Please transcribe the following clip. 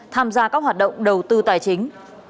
tham gia các hoạt động đầu tư tài chính